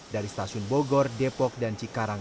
dari stasiun bogor depok dan cikarang